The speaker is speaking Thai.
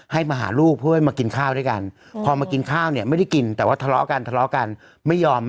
ว่าผมขอละออกกันนะลายมาบอกเจ้านายขอตั้งหนึ่งพันผมจะหนีไปกลับบ้านอืมนะฮะ